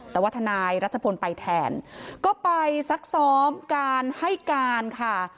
แต่ว่าทนายรัชพลไปแทนก็ไปซักซ้อมการให้การค่ะ